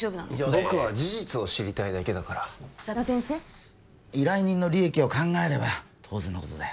僕は事実を知りたいだけだから佐田先生依頼人の利益を考えれば当然のことだよ